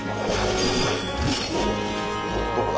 どこだ？